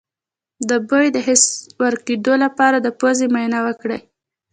د بوی د حس د ورکیدو لپاره د پوزې معاینه وکړئ